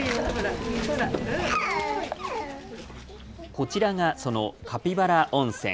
こちらが、そのカピバラ温泉。